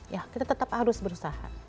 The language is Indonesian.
ya kita tetap harus berusaha